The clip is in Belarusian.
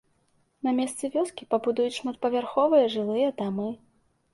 На месцы вёскі пабудуюць шматпавярховыя жылыя дамы.